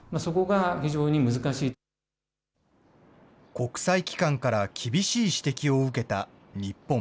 国際機関から厳しい指摘を受けた日本。